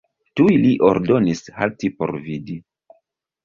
Tuj li ordonis halti por vidi.